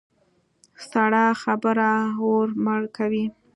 سړه خبره اور مړه کوي.